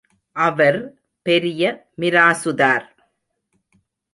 அவர் பெரிய மிராசுதார்.